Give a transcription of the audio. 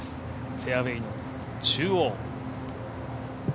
フェアウエーの中央。